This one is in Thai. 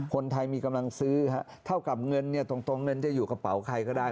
คนไทยมีกำลังซื้อเท่ากับเงินเนี่ยตรงเงินจะอยู่กระเป๋าใครก็ได้